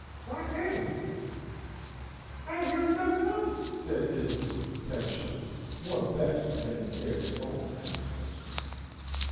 "Wot name?" "I really don't know," said Islington, pettishly, more vexed than he cared to own at this questioning.